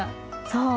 そう。